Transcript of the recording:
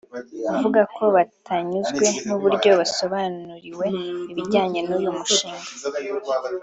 uvuga ko batanyuzwe n’uburyo basobanuriwe ibijyanye n’uyu mushinga